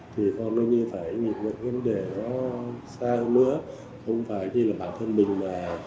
thì con phải nhìn được những vấn đề đó xa hơn nữa không phải như là bản thân mình mà